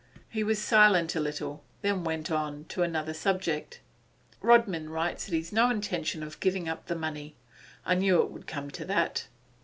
He was silent a little, then went to another subject. 'Rodman writes that he's no intention of giving up the money. I knew it would come to that.